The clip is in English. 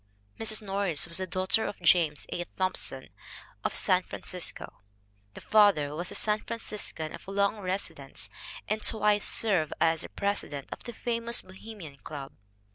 Kathleen Norris was the daughter of James A. Thompson, of San Francisco. The father was a San Franciscan of long residence and twice served as presi dent of the famous Bohemian Club.